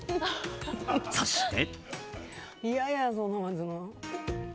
そして。